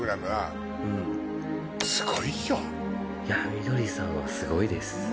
みどりさんはすごいです。